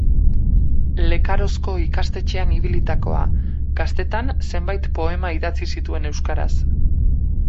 Lekarozko ikastetxean ibilitakoa, gaztetan zenbait poema idatzi zituen euskaraz.